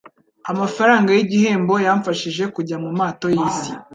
Amafaranga yigihembo yamfashije kujya mumato yisi.